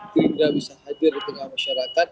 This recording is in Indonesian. gerindra bisa hadir di tengah masyarakat